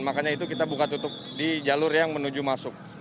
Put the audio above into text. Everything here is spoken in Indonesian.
makanya itu kita buka tutup di jalur yang menuju masuk